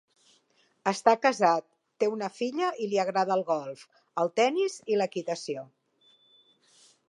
Està casat, té una filla i li agrada el golf, el tennis i l'equitació.